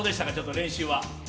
練習は。